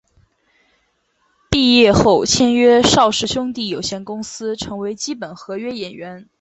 毕业后签约邵氏兄弟有限公司成为基本合约演员。